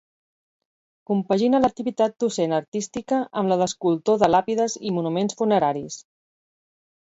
Compagina l'activitat docent artística amb la d'escultor de làpides i monuments funeraris.